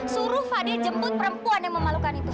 suruh fadil jemput perempuan yang memalukan itu